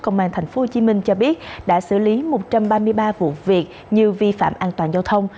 công an tp hcm cho biết đã xử lý một trăm ba mươi ba vụ việc như vi phạm an toàn giao thông